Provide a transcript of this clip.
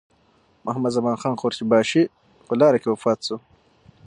محمدزمان خان قورچي باشي په لاره کې وفات شو.